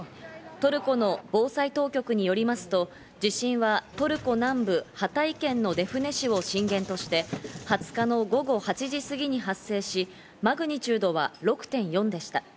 トルコの防災当局によりますと、地震はトルコ南部ハタイ県のデフネ市を震源として、２０日の午後８時過ぎに発生し、マグニチュードは６．４でした。